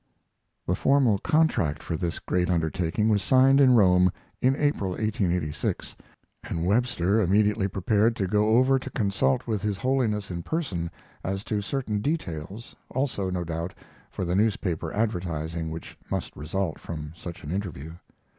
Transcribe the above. The formal contract for this great undertaking was signed in Rome in April, 1886, and Webster immediately prepared to go over to consult with his Holiness in person as to certain details, also, no doubt, for the newspaper advertising which must result from such an interview.